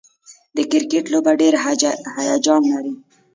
د کرکټ لوبه ډېره هیجان لري.